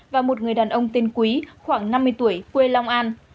và một người đàn ông